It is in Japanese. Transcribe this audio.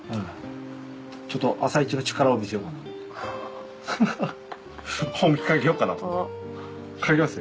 ちょっと朝市の力を見せようかなと。